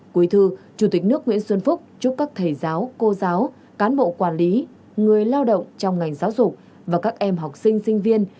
quý thư chủ tịch nước nguyễn xuân phúc chúc các thầy giáo cô giáo cán bộ quản lý người lao động trong ngành giáo dục và các em học sinh sinh viên